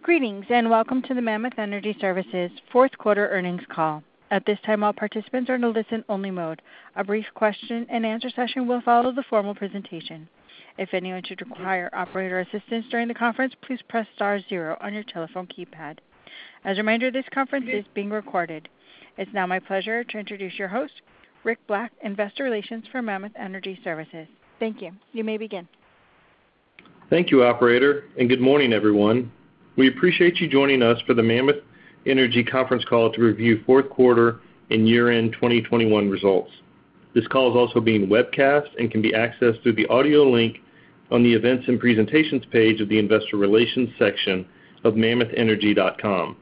Greetings, and welcome to the Mammoth Energy Services fourth quarter earnings call. At this time, all participants are in a listen-only mode. A brief question and answer session will follow the formal presentation. If anyone should require operator assistance during the conference, please press star zero on your telephone keypad. As a reminder, this conference is being recorded. It's now my pleasure to introduce your host, Rick Black, Investor Relations for Mammoth Energy Services. Thank you. You may begin. Thank you, operator, and good morning, everyone. We appreciate you joining us for the Mammoth Energy conference call to review fourth quarter and year-end 2021 results. This call is also being webcast and can be accessed through the audio link on the Events and Presentations page of the Investor Relations section of mammothenergy.com.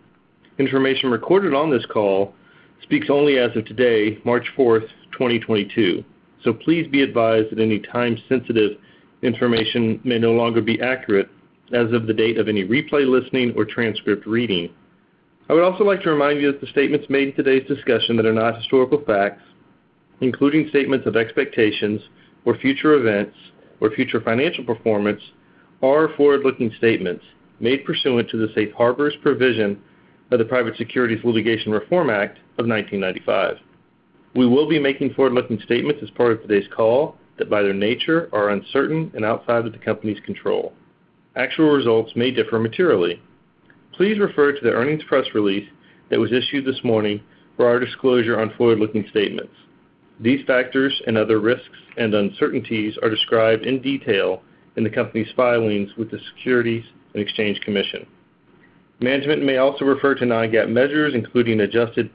Information recorded on this call speaks only as of today, March 4, 2022. Please be advised that any time-sensitive information may no longer be accurate as of the date of any replay listening or transcript reading. I would also like to remind you that the statements made in today's discussion that are not historical facts, including statements of expectations or future events or future financial performance, are forward-looking statements made pursuant to the safe harbors provision of the Private Securities Litigation Reform Act of 1995. We will be making forward-looking statements as part of today's call that, by their nature, are uncertain and outside of the company's control. Actual results may differ materially. Please refer to the earnings press release that was issued this morning for our disclosure on forward-looking statements. These factors and other risks and uncertainties are described in detail in the company's filings with the Securities and Exchange Commission. Management may also refer to non-GAAP measures, including adjusted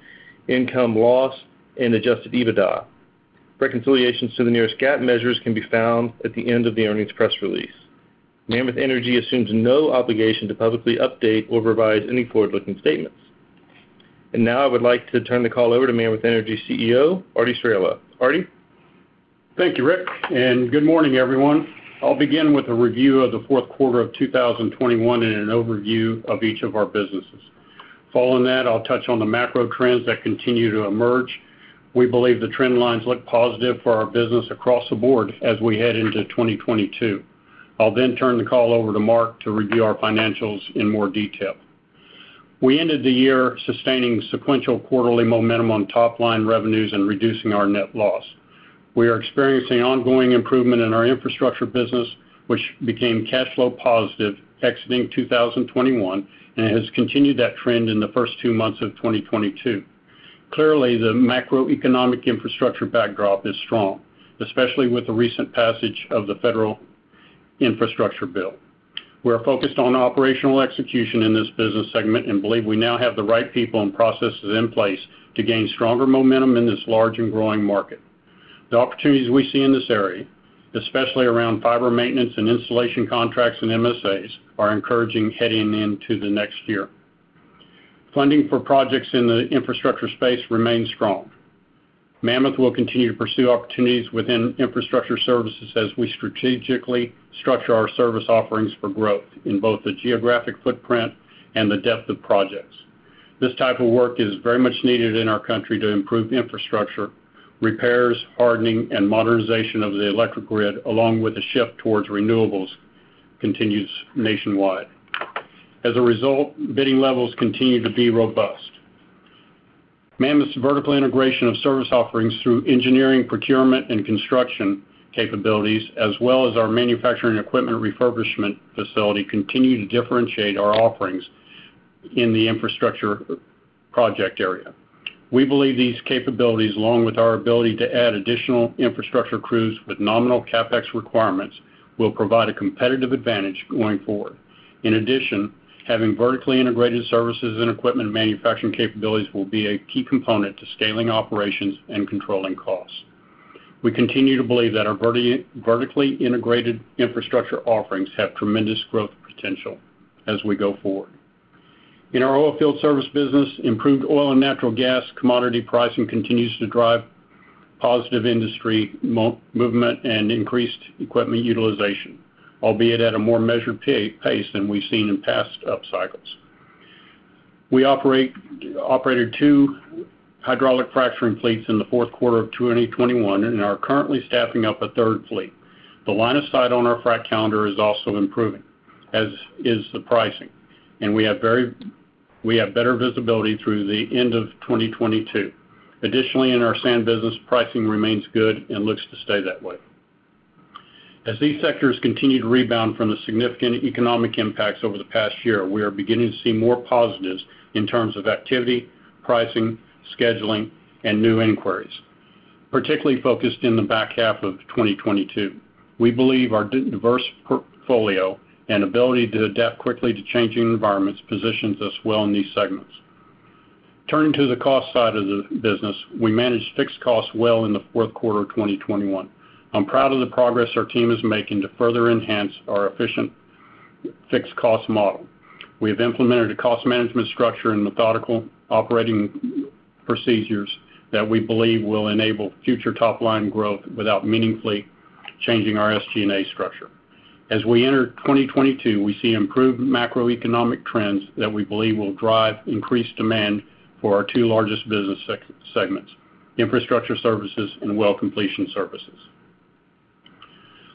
income loss and Adjusted EBITDA. Reconciliations to the nearest GAAP measures can be found at the end of the earnings press release. Mammoth Energy assumes no obligation to publicly update or revise any forward-looking statements. Now I would like to turn the call over to Mammoth Energy CEO, Arty Straehla. Arty? Thank you, Rick, and good morning, everyone. I'll begin with a review of the fourth quarter of 2021 and an overview of each of our businesses. Following that, I'll touch on the macro trends that continue to emerge. We believe the trend lines look positive for our business across the board as we head into 2022. I'll then turn the call over to Mark to review our financials in more detail. We ended the year sustaining sequential quarterly momentum on top-line revenues and reducing our net loss. We are experiencing ongoing improvement in our infrastructure business, which became cash flow positive exiting 2021 and has continued that trend in the first two months of 2022. Clearly, the macroeconomic infrastructure backdrop is strong, especially with the recent passage of the federal infrastructure bill. We are focused on operational execution in this business segment and believe we now have the right people and processes in place to gain stronger momentum in this large and growing market. The opportunities we see in this area, especially around fiber maintenance and installation contracts and MSAs, are encouraging heading into the next year. Funding for projects in the infrastructure space remains strong. Mammoth will continue to pursue opportunities within infrastructure services as we strategically structure our service offerings for growth in both the geographic footprint and the depth of projects. This type of work is very much needed in our country to improve infrastructure, repairs, hardening, and modernization of the electric grid, along with the shift towards renewables, continues nationwide. As a result, bidding levels continue to be robust. Mammoth's vertical integration of service offerings through engineering, procurement, and construction capabilities, as well as our manufacturing equipment refurbishment facility, continue to differentiate our offerings in the infrastructure project area. We believe these capabilities, along with our ability to add additional infrastructure crews with nominal CapEx requirements, will provide a competitive advantage going forward. In addition, having vertically integrated services and equipment manufacturing capabilities will be a key component to scaling operations and controlling costs. We continue to believe that our vertically integrated infrastructure offerings have tremendous growth potential as we go forward. In our oilfield service business, improved oil and natural gas commodity pricing continues to drive positive industry movement and increased equipment utilization, albeit at a more measured pace than we've seen in past upcycles. We operated two hydraulic fracturing fleets in the fourth quarter of 2021 and are currently staffing up a third fleet, The line of sight on our frack calendar is also improving, as is the pricing, and we have better visibility through the end of 2022. Additionally, in our sand business, pricing remains good and looks to stay that way. As these sectors continue to rebound from the significant economic impacts over the past year, we are beginning to see more positives in terms of activity, pricing, scheduling, and new inquiries, particularly focused in the back half of 2022. We believe our diverse portfolio and ability to adapt quickly to changing environments positions us well in these segments. Turning to the cost side of the business, we managed fixed costs well in the fourth quarter of 2021. I'm proud of the progress our team is making to further enhance our efficient fixed cost model. We have implemented a cost management structure and methodical operating procedures that we believe will enable future top-line growth without meaningfully changing our SG&A structure. As we enter 2022, we see improved macroeconomic trends that we believe will drive increased demand for our two largest business segments, infrastructure services and well completion services.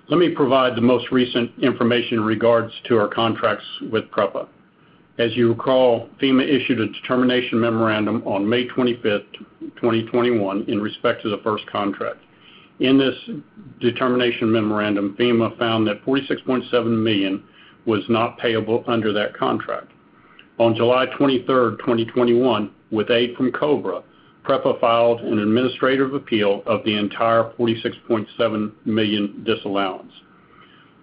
Let me provide the most recent information in regards to our contracts with PREPA. As you recall, FEMA issued a determination memorandum on May 25, 2021 in respect to the first contract. In this determination memorandum, FEMA found that $46.7 million was not payable under that contract. On July 23, 2021, with aid from Cobra, PREPA filed an administrative appeal of the entire $46.7 million disallowance.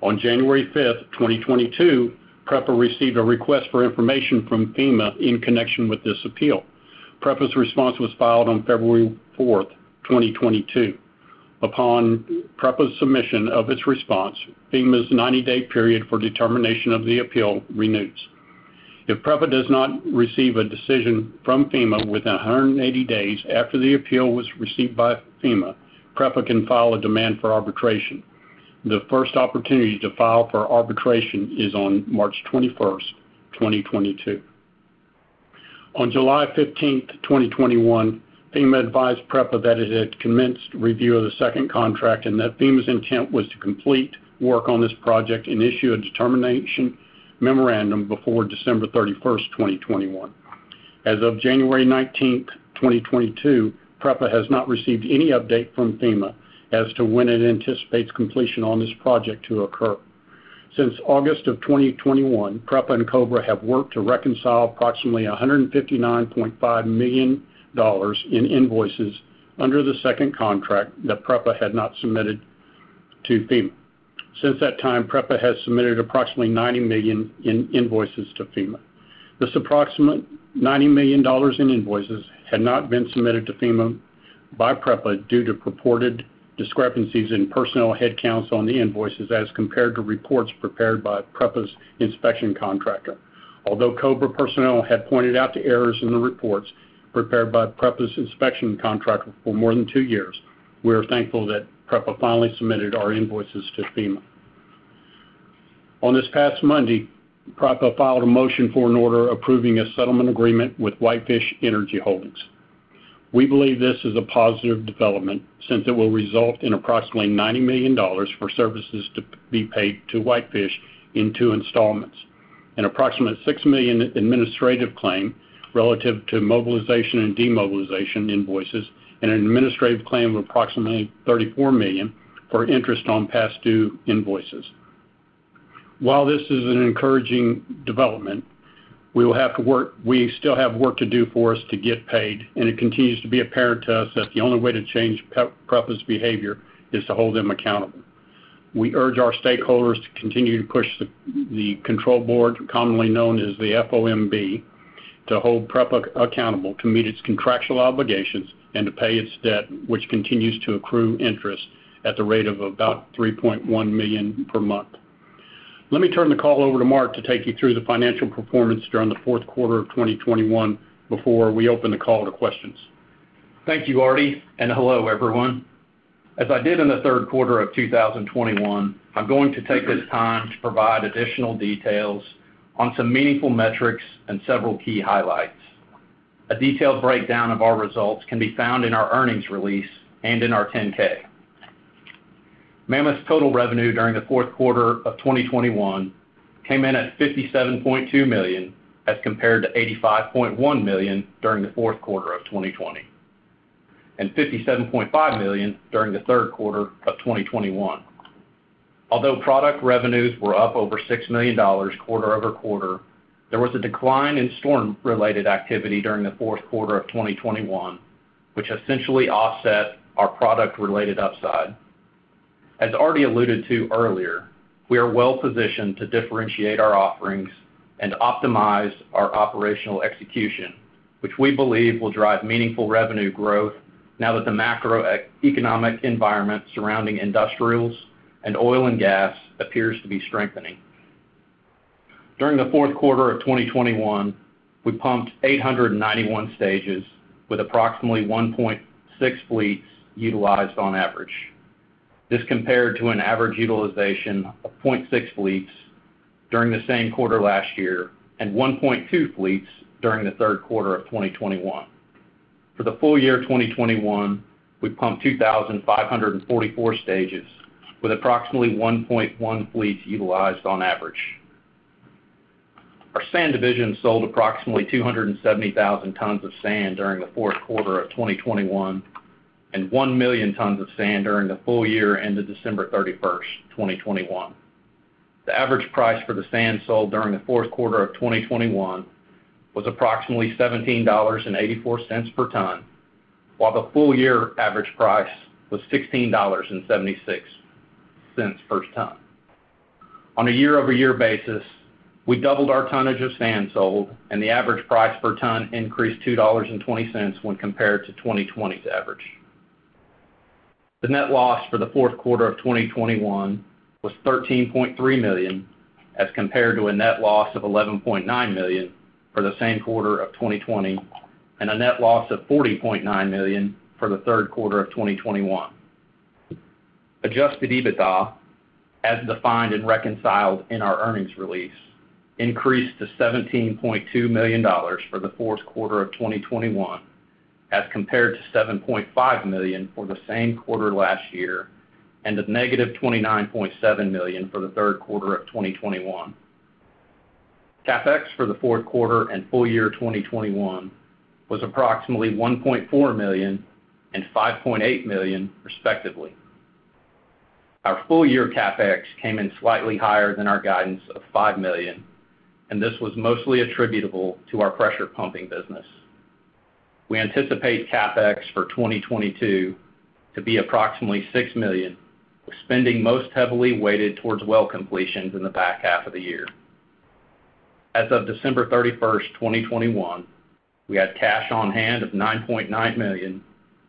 On January 5, 2022, PREPA received a request for information from FEMA in connection with this appeal. PREPA's response was filed on February 4, 2022. Upon PREPA's submission of its response, FEMA's 90-day period for determination of the appeal renews. If PREPA does not receive a decision from FEMA within 180 days after the appeal was received by FEMA, PREPA can file a demand for arbitration. The first opportunity to file for arbitration is on March 21, 2022. On July 15, 2021, FEMA advised PREPA that it had commenced review of the second contract and that FEMA's intent was to complete work on this project and issue a determination memorandum before December 31, 2021. As of January 19, 2022, PREPA has not received any update from FEMA as to when it anticipates completion on this project to occur. Since August 2021, PREPA and Cobra have worked to reconcile approximately $159.5 million in invoices under the second contract that PREPA had not submitted to FEMA. Since that time, PREPA has submitted approximately $90 million in invoices to FEMA. This approximate $90 million in invoices had not been submitted to FEMA by PREPA due to purported discrepancies in personnel headcounts on the invoices as compared to reports prepared by PREPA's inspection contractor. Although Cobra personnel had pointed out the errors in the reports prepared by PREPA's inspection contractor for more than 2 years, we are thankful that PREPA finally submitted our invoices to FEMA. On this past Monday, PREPA filed a motion for an order approving a settlement agreement with Whitefish Energy Holdings. We believe this is a positive development since it will result in approximately $90 million for services to be paid to Whitefish in two installments, an approximate $6 million administrative claim relative to mobilization and demobilization invoices, and an administrative claim of approximately $34 million for interest on past due invoices. While this is an encouraging development, we still have work to do for us to get paid, and it continues to be apparent to us that the only way to change PREPA's behavior is to hold them accountable. We urge our stakeholders to continue to push the control board, commonly known as the FOMB, to hold PREPA accountable to meet its contractual obligations and to pay its debt, which continues to accrue interest at the rate of about $3.1 million per month. Let me turn the call over to Mark to take you through the financial performance during the fourth quarter of 2021 before we open the call to questions. Thank you, Arty, and hello, everyone. As I did in the third quarter of 2021, I'm going to take this time to provide additional details on some meaningful metrics and several key highlights. A detailed breakdown of our results can be found in our earnings release and in our 10-K. Mammoth's total revenue during the fourth quarter of 2021 came in at $57.2 million as compared to $85.1 million during the fourth quarter of 2020, and $57.5 million during the third quarter of 2021. Although product revenues were up over $6 million quarter-over-quarter, there was a decline in storm-related activity during the fourth quarter of 2021, which essentially offset our product-related upside. As Arty alluded to earlier, we are well-positioned to differentiate our offerings and optimize our operational execution, which we believe will drive meaningful revenue growth now that the macroeconomic environment surrounding industrials and oil and gas appears to be strengthening. During the fourth quarter of 2021, we pumped 891 stages with approximately 1.6 fleets utilized on average. This compared to an average utilization of 0.6 fleets during the same quarter last year and 1.2 fleets during the third quarter of 2021. For the full year 2021, we pumped 2,544 stages with approximately 1.1 fleets utilized on average. Our Sand Division sold approximately 270,000 tons of sand during the fourth quarter of 2021 and 1,000,000 tons of sand during the full year ended December 31, 2021. The average price for the sand sold during the fourth quarter of 2021 was approximately $17.84 per ton, while the full year average price was $16.76 per ton. On a year-over-year basis, we doubled our tonnage of sand sold, and the average price per ton increased $2.20 when compared to 2020's average. The net loss for the fourth quarter of 2021 was $13.3 million as compared to a net loss of $11.9 million for the same quarter of 2020 and a net loss of $40.9 million for the third quarter of 2021. Adjusted EBITDA, as defined and reconciled in our earnings release, increased to $17.2 million for the fourth quarter of 2021. As compared to $7.5 million for the same quarter last year, and -$29.7 million for the third quarter of 2021. CapEx for the fourth quarter and full year 2021 was approximately $1.4 million and $5.8 million respectively. Our full year CapEx came in slightly higher than our guidance of $5 million, and this was mostly attributable to our pressure pumping business. We anticipate CapEx for 2022 to be approximately $6 million, with spending most heavily weighted towards well completions in the back half of the year. As of December 31, 2021. We had cash on hand of $9.9 million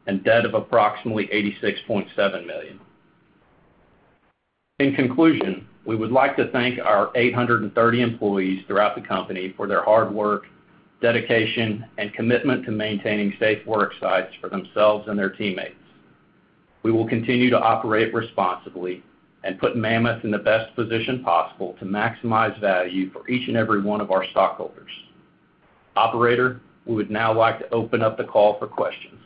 and debt of approximately $86.7 million. In conclusion, we would like to thank our 830 employees throughout the company for their hard work, dedication, and commitment to maintaining safe work sites for themselves and their teammates. We will continue to operate responsibly and put Mammoth in the best position possible to maximize value for each and every one of our stockholders. Operator, we would now like to open up the call for questions.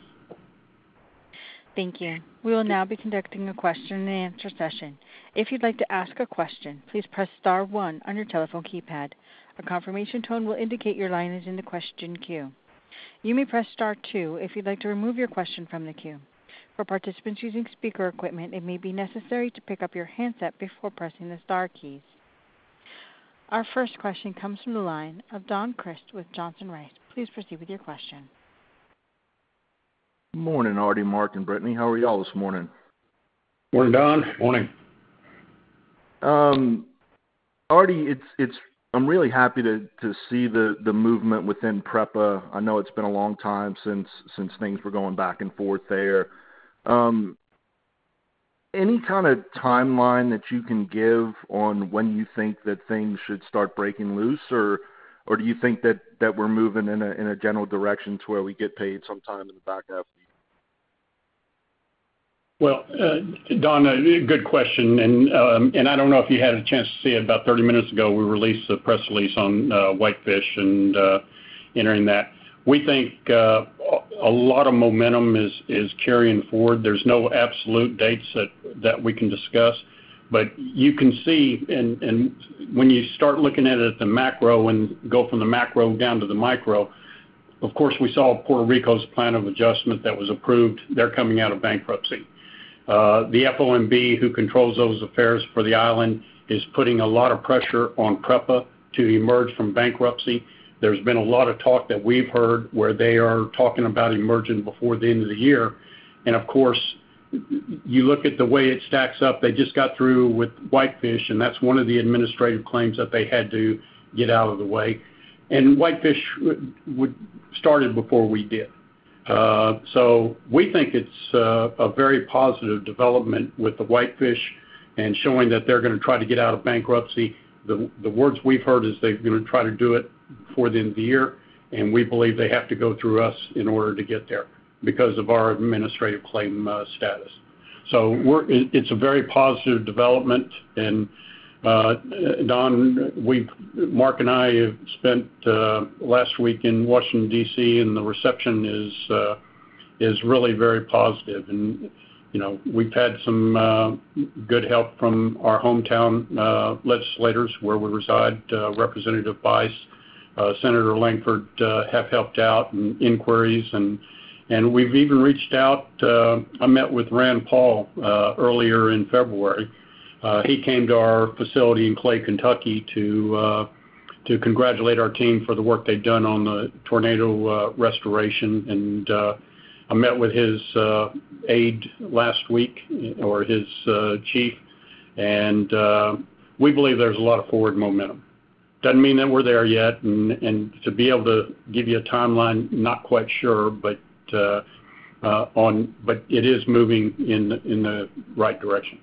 Thank you. We will now be conducting a question and answer session. If you'd like to ask a question, please press star one on your telephone keypad. A confirmation tone will indicate your line is in the question queue. You may press star two if you'd like to remove your question from the queue. For participants using speaker equipment, it may be necessary to pick up your handset before pressing the star keys. Our first question comes from the line of Don Crist with Johnson Rice. Please proceed with your question. Morning, Arty, Mark, and Brittany. How are y'all this morning? Morning, Don. Morning. Arty, it's I'm really happy to see the movement within PREPA. I know it's been a long time since things were going back and forth there. Any kind of timeline that you can give on when you think that things should start breaking loose? Or do you think that we're moving in a general direction to where we get paid sometime in the back half of the year? Well, Don, a good question. I don't know if you had a chance to see it. About 30 minutes ago, we released a press release on Whitefish and entering that. We think a lot of momentum is carrying forward. There's no absolute dates that we can discuss. You can see, and when you start looking at it at the macro and go from the macro down to the micro, of course, we saw Puerto Rico's plan of adjustment that was approved. They're coming out of bankruptcy. The FOMB, who controls those affairs for the island, is putting a lot of pressure on PREPA to emerge from bankruptcy. There's been a lot of talk that we've heard where they are talking about emerging before the end of the year. Of course, you look at the way it stacks up. They just got through with Whitefish, and that's one of the administrative claims that they had to get out of the way. Whitefish started before we did. We think it's a very positive development with the Whitefish and showing that they're gonna try to get out of bankruptcy. The words we've heard is they're gonna try to do it before the end of the year, and we believe they have to go through us in order to get there because of our administrative claim status. It's a very positive development. Don, Mark and I have spent last week in Washington, D.C., and the reception is really very positive. You know, we've had some good help from our hometown legislators where we reside. Representative Bice, Senator Lankford have helped out in inquiries. We've even reached out. I met with Rand Paul earlier in February. He came to our facility in Clay, Kentucky, to congratulate our team for the work they've done on the tornado restoration. I met with his aide last week, or his chief. We believe there's a lot of forward momentum. Doesn't mean that we're there yet. To be able to give you a timeline, not quite sure. It is moving in the right direction.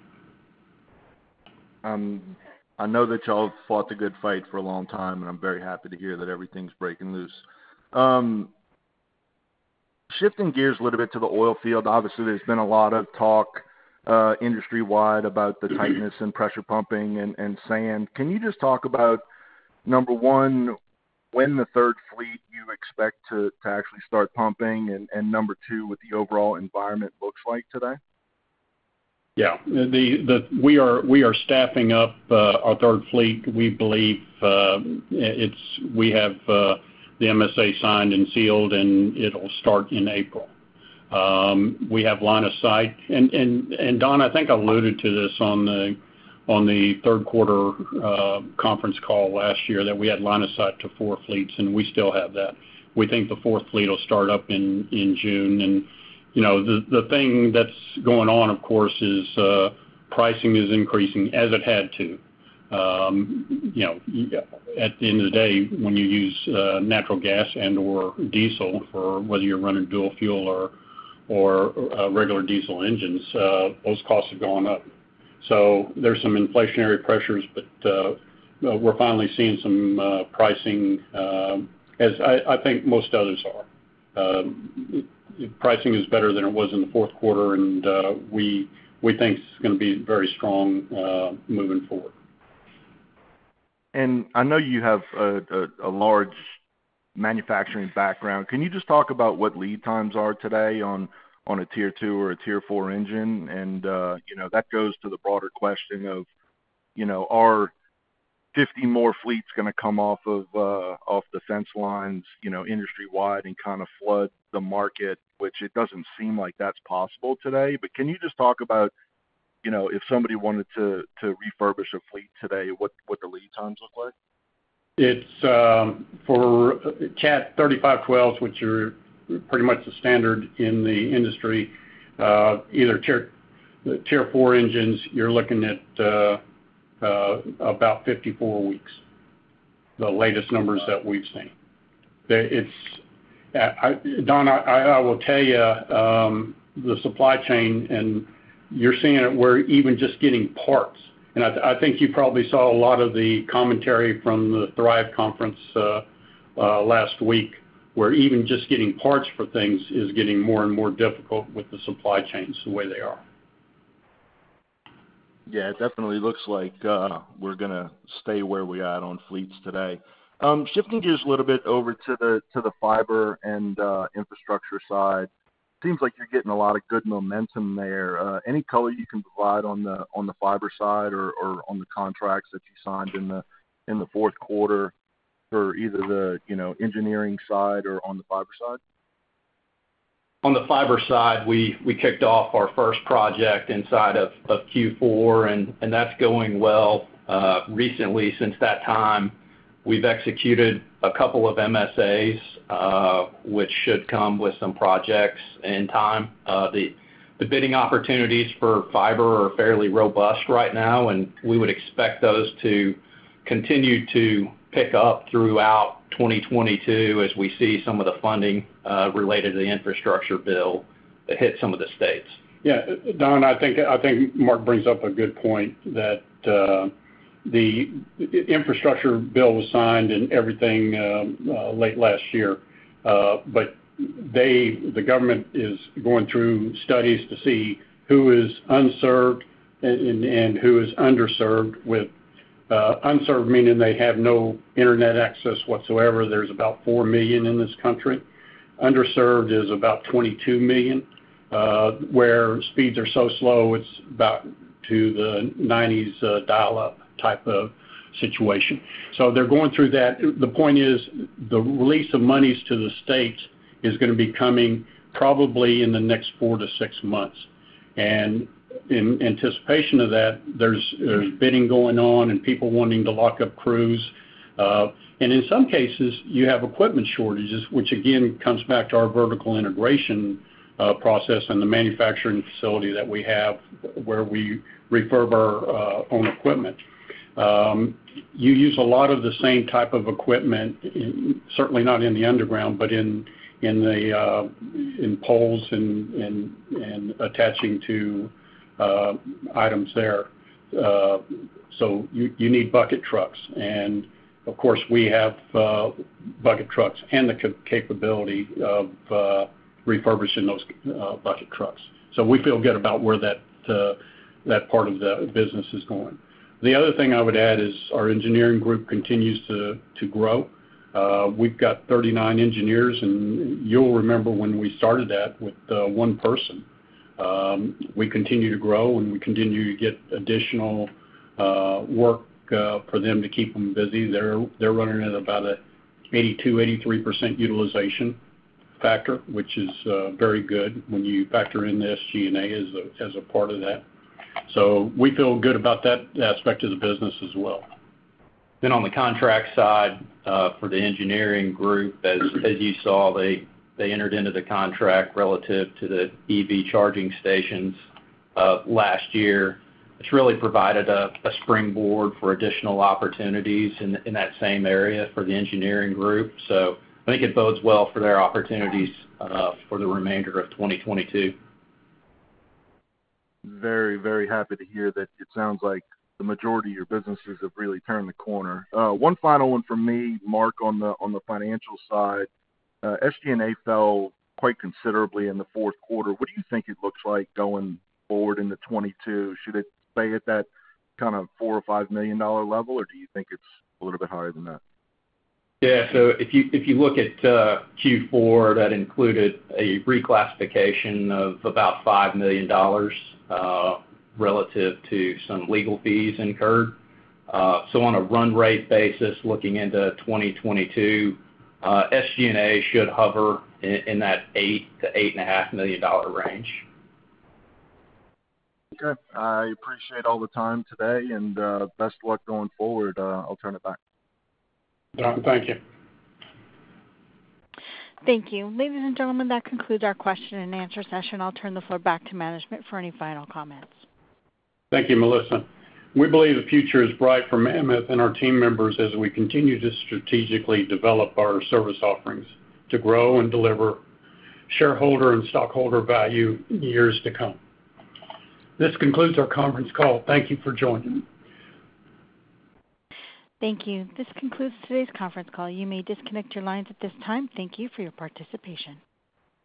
I know that y'all have fought the good fight for a long time, and I'm very happy to hear that everything's breaking loose. Shifting gears a little bit to the oil field. Obviously, there's been a lot of talk, industry-wide about the tightness in pressure pumping and sand. Can you just talk about, number one, when the third fleet you expect to actually start pumping? And number two, what the overall environment looks like today? Yeah. We are staffing up our third fleet. We believe we have the MSA signed and sealed, and it'll start in April. We have line of sight. Don, I think I alluded to this on the third quarter conference call last year that we had line of sight to four fleets, and we still have that. We think the fourth fleet will start up in June. You know, the thing that's going on, of course, is pricing is increasing as it had to. You know, at the end of the day, when you use natural gas and/or diesel for whether you're running dual fuel or regular diesel engines, those costs have gone up. There's some inflationary pressures, but we're finally seeing some pricing as I think most others are. Pricing is better than it was in the fourth quarter, and we think it's gonna be very strong moving forward. I know you have a large manufacturing background. Can you just talk about what lead times are today on a tier two or a tier four engine? You know, that goes to the broader question of, you know, are 50 more fleets gonna come off of the fence lines, you know, industry-wide, and kind of flood the market, which it doesn't seem like that's possible today. But can you just talk about, you know, if somebody wanted to refurbish a fleet today, what the lead times look like? It's for Cat 3512s, which are pretty much the standard in the industry, either tier four engines, you're looking at about 54 weeks, the latest numbers that we've seen. Don, I will tell you, the supply chain, and you're seeing it where even just getting parts. I think you probably saw a lot of the commentary from the Thrive Conference last week, where even just getting parts for things is getting more and more difficult with the supply chains the way they are. Yeah, it definitely looks like we're gonna stay where we are at on fleets today. Shifting gears a little bit over to the fiber and infrastructure side, seems like you're getting a lot of good momentum there. Any color you can provide on the fiber side or on the contracts that you signed in the fourth quarter for either the, you know, engineering side or on the fiber side? On the fiber side, we kicked off our first project inside of Q4, and that's going well. Recently, since that time, we've executed a couple of MSAs, which should come with some projects in time. The bidding opportunities for fiber are fairly robust right now, and we would expect those to continue to pick up throughout 2022 as we see some of the funding related to the infrastructure bill hit some of the states. Yeah. Don, I think Mark brings up a good point that the infrastructure bill was signed and everything late last year. They, the government is going through studies to see who is unserved and who is underserved, with unserved meaning they have no internet access whatsoever. There's about 4 million in this country. Underserved is about 22 million where speeds are so slow, it's about back to the 90's, dial-up type of situation. They're going through that. The point is, the release of monies to the states is gonna be coming probably in the next four to six months. In anticipation of that, there's bidding going on and people wanting to lock up crews. In some cases, you have equipment shortages, which again comes back to our vertical integration process and the manufacturing facility that we have, where we refurbish our own equipment. You use a lot of the same type of equipment, certainly not in the underground, but in poles and attaching to items there. So you need bucket trucks. Of course, we have bucket trucks and the capability of refurbishing those bucket trucks. So we feel good about where that part of the business is going. The other thing I would add is our engineering group continues to grow. We've got 39 engineers, and you'll remember when we started that with one person. We continue to grow, and we continue to get additional work for them to keep them busy. They're running at about 82% to 83% utilization factor, which is very good when you factor in the SG&A as a part of that. We feel good about that aspect of the business as well. On the contract side, for the engineering group, as you saw, they entered into the contract relative to the EV charging stations last year. It's really provided a springboard for additional opportunities in that same area for the engineering group. I think it bodes well for their opportunities for the remainder of 2022. Very, very happy to hear that it sounds like the majority of your businesses have really turned the corner. One final one from me, Mark, on the financial side. SG&A fell quite considerably in the fourth quarter. What do you think it looks like going forward into 2022? Should it stay at that kind of $4 million or $5 million level, or do you think it's a little bit higher than that? Yeah. If you look at Q4, that included a reclassification of about $5 million relative to some legal fees incurred. On a run rate basis, looking into 2022, SG&A should hover in that $8 million to $8.5 million range. Okay. I appreciate all the time today, and best luck going forward. I'll turn it back. Don, thank you. Thank you. Ladies and gentlemen, that concludes our question and answer session. I'll turn the floor back to management for any final comments. Thank you, Melissa. We believe the future is bright for Mammoth and our team members as we continue to strategically develop our service offerings to grow and deliver shareholder and stockholder value in years to come. This concludes our conference call. Thank you for joining. Thank you. This concludes today's conference call. You may disconnect your lines at this time. Thank you for your participation.